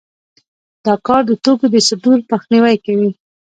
دا کار د توکو د صدور مخنیوی کوي